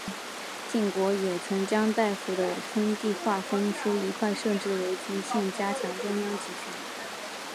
晋国也曾将大夫的封地划分出一块设置为县以加强中央集权。